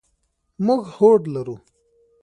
موږ هوډ لرو.